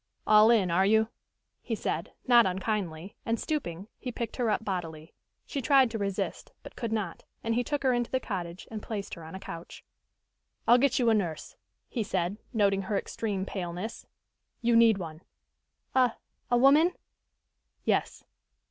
"All in, are you?" he said, not unkindly, and, stooping, he picked her up bodily. She tried to resist, but could not, and he took her into the cottage and placed her on a couch. "I'll get you a nurse," he said, noting her extreme paleness. "You need one." "A a woman?" "Yes."